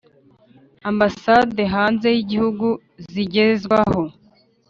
Ambasade hanze y igihugu zigezwaho